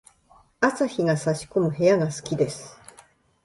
朝日が差し込む部屋が好きです。